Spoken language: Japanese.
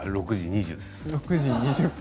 ６時２０分。